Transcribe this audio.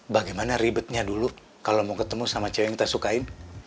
bagaimana ribetnya dulu kalau mau ketemu sama cewek yang kita sukain